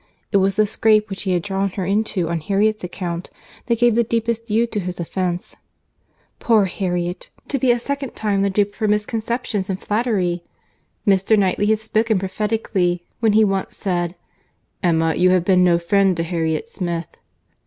It was the scrape which he had drawn her into on Harriet's account, that gave the deepest hue to his offence.—Poor Harriet! to be a second time the dupe of her misconceptions and flattery. Mr. Knightley had spoken prophetically, when he once said, "Emma, you have been no friend to Harriet Smith."